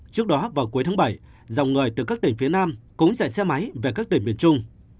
trước đó vào cuối tháng bảy dòng người từ các tỉnh phía nam cũng chạy xe máy về các tỉnh miền trung